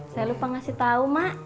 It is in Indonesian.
saya lupa ngasih tahu mak